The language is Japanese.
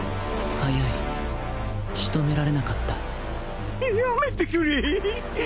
速い仕留められなかったやめてくれぇ。